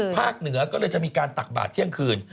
เหนือก็เลยจะมีการตักบาทเที่ยงคืน